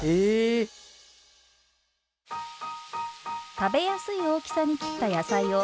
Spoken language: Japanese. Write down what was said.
食べやすい大きさに切った野菜を中火で炒めます。